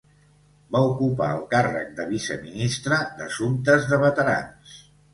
Va ocupar el càrrec de viceministre d'assumptes de veterans.